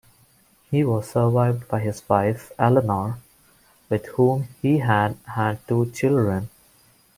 He was survived by his wife, Eleanor, with whom he had had two children.